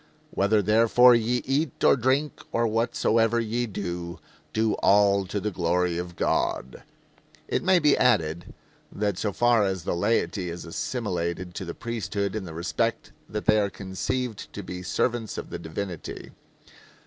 "Whether therefore ye eat, or drink, or whatsoever ye do, do all to the glory of God." It may be added that so far as the laity is assimilated to the priesthood in the respect that they are conceived to be servants of the divinity.